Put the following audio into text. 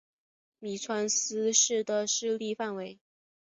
麓川思氏的势力范围。